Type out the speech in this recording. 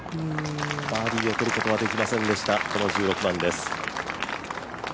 バーディーを取ることはできませんでした、１６番です。